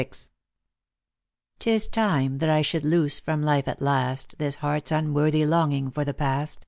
*« *Tis time that I should loose from life at last This heart's unworthy longing for the past.